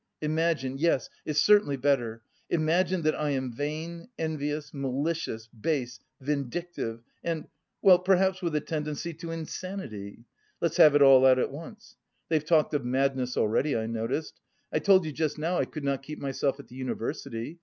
imagine yes, it's certainly better imagine that I am vain, envious, malicious, base, vindictive and... well, perhaps with a tendency to insanity. (Let's have it all out at once! They've talked of madness already, I noticed.) I told you just now I could not keep myself at the university.